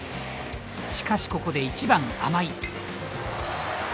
しかしここで１番甘井。